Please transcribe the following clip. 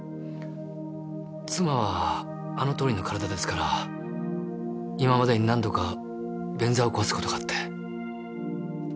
妻はあのとおりの体ですから今までに何度か便座を壊す事があって。